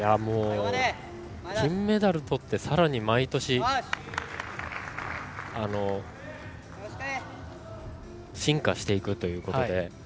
金メダルとってさらに毎年進化していくということで。